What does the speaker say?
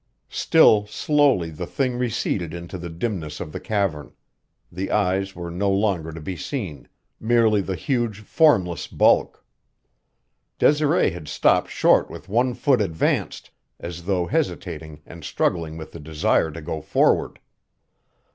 Still slowly the thing receded into the dimness of the cavern; the eyes were no longer to be seen merely the huge, formless bulk. Desiree had stopped short with one foot advanced, as though hesitating and struggling with the desire to go forward.